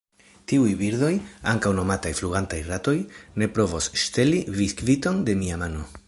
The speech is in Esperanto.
Tiuj birdoj, ankaŭ nomataj flugantaj ratoj, ne provos ŝteli biskviton de mia mano.